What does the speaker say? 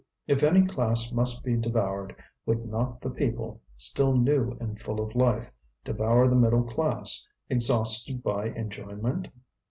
If any class must be devoured, would not the people, still new and full of life, devour the middle class, exhausted by enjoyment?